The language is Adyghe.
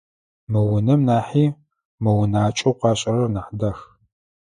Мы унэм нахьи мо унакӏэу къашӏырэр нахь дах.